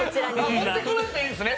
持ってこなくていいんですね